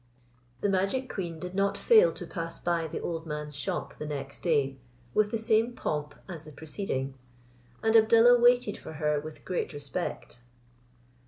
The magic queen did not fail to pass by the old man's shop the next day, with the same pomp as the preceding, and Abdallah waited for her with great respect.